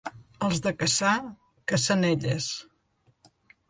Els de Cassà, cassanelles.